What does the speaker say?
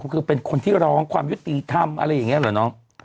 คือเป็นคนที่ร้องความยุติธรรมอะไรอย่างนี้เหรอน้อง